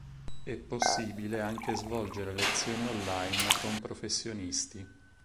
È possibile anche svolgere lezioni online con professionisti.